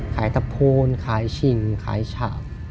ตะโพนขายชิงขายฉาบ